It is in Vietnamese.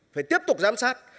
phải tiếp tục giám sát